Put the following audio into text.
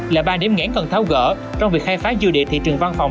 là ba đếm ngãn cần tháo gỡ trong việc khai phá dư địa thị trường văn phòng